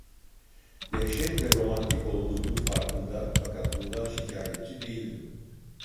Dehşetle romantik olduğumun farkında, fakat bundan şikayetçi değildim.